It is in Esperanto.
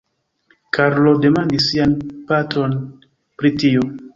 Karlo demandis sian patron pri tio.